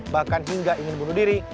bahkan hingga ingin bunuh diri